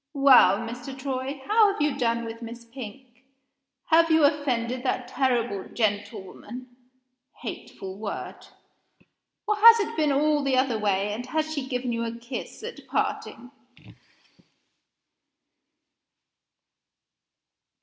Well, Mr. Troy, how have you done with Miss Pink? Have you offended that terrible 'gentlewoman' (hateful word!); or has it been all the other way, and has she given you a kiss at parting?"